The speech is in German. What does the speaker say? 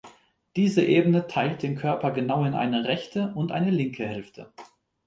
Diese Ebene teilt den Körper genau in eine rechte und eine linke Hälfte.